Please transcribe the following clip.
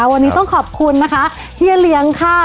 วันนี้ต้องขอบคุณเฮียเหลียงค่ะ